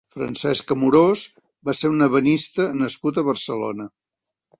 Francesc Amorós va ser un ebenista nascut a Barcelona.